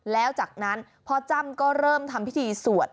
แล้วจากนั้นพ่อจ้ำก็เริ่มทำพิธีสวด